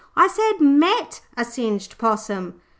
'I said, met a singed possum.'